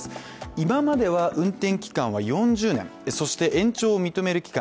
今までは運転期間は４０年そして延長を認める期間